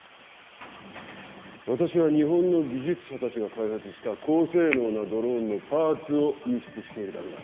私は日本の技術者たちが開発した高性能なドローンのパーツを輸出しているだけだ。